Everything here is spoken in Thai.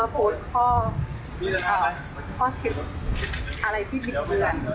โพสต์กุโหคโพสต์ข้อเข็นอะไรมิดเผือน